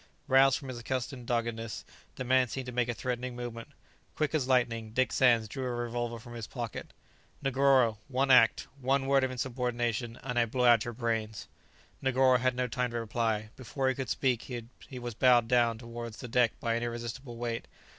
Roused from his accustomed doggedness, the man seemed to make a threatening movement. Quick as lightning, Dick Sands drew a revolver from his pocket. "Negoro, one act, one word of insubordination, and I blow out your brains!" Negoro had no time to reply; before he could speak he was bowed down towards the deck by an irresistible weight.